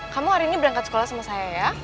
kamu hari ini berangkat sekolah sama saya ya